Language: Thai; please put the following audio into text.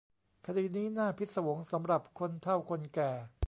คดีนี้น่าพิศวงสำหรับคนเฒ่าคนแก่